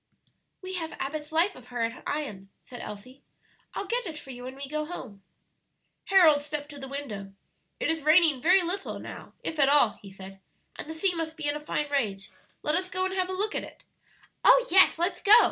"We have Abbott's life of her at Ion," said Elsie. "I'll get it for you when we go home." Harold stepped to the window. "It is raining very little now, if at all," he said, "and the sea must be in a fine rage; let us go and have a look at it" "Oh, yes, let's go!"